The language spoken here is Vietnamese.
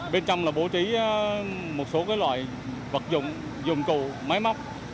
bên trong là bố trí một số loại vật dụng dụng cụ máy móc